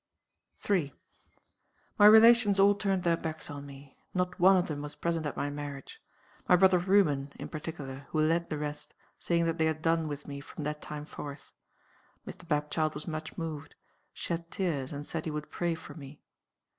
3. "My relations all turned their backs on me. Not one of them was present at my marriage; my brother Reuben, in particular, who led the rest, saying that they had done with me from that time forth. Mr. Bapchild was much moved; shed tears, and said he would pray for me.